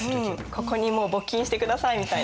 ここに募金してくださいみたいな。